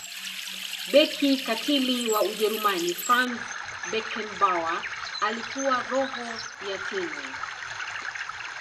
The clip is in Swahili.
beki katili wa ujerumani franz beckenbauer alikuwa roho ya timu